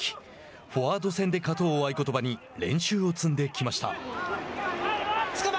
フォワード戦で勝とうを合言葉に練習を積んできました。